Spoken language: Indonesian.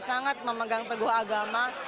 sangat memegang teguh agama